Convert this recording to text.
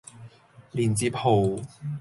連接號